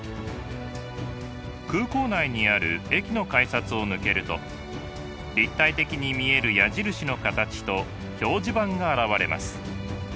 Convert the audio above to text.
空港内にある駅の改札を抜けると立体的に見える矢印の形と表示板が現れます。